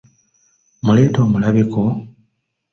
Mmuleete omulabe ko?